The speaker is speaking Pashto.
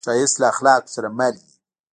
ښایست له اخلاقو سره مل وي